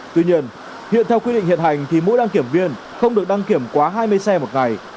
tuy nhiên hiện theo quy định hiện hành thì mỗi đăng kiểm viên không được đăng kiểm quá hai mươi xe một ngày